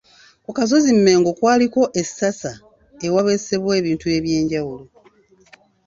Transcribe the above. Ku kasozi Mengo kwaliko essasa ewaweesebwa ebintu eby'enjawulo.